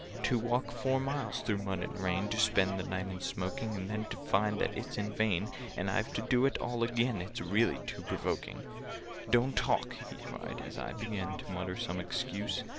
"To walk four miles through mud and rain, To spend the night in smoking, And then to find that it's in vain— And I've to do it all again— It's really too provoking! "Don't talk!" he cried, as I began To mutter some excuse.